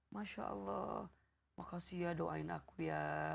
masya allah makasih ya doain aku ya